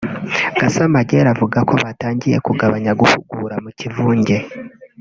Gasamagera avuga ko batangiye bagabanya guhugura mu kivunge